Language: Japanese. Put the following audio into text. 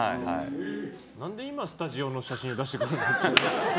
何で今スタジオの写真出してくるの？